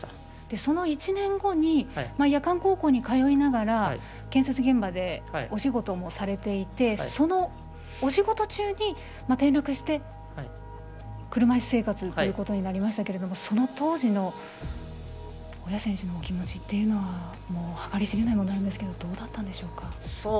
その１年後に夜間高校に通いながら建設現場でお仕事もされていてそのお仕事中に転落して車いす生活になりましたけどその当時の大矢選手のお気持ちというのは計り知れないものがありますがどうだったんでしょうか。